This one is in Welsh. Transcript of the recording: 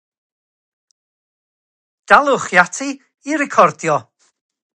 Ceir hefyd fryncyn gwair ar ochr ogledd-orllewinol y sgwâr.